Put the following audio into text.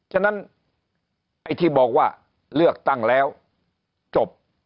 ฉะนั้นไอ้ที่บอกว่าเลือกตั้งแล้วจบ